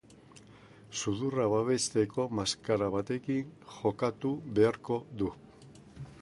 Sudurra babesteko maskara batekin jokatu beharko du.